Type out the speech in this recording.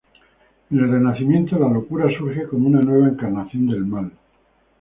En el Renacimiento, la locura surge como una nueva encarnación del mal.